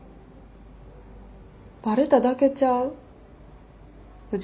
バレただけちゃう？